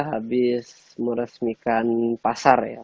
habis meresmikan pasar ya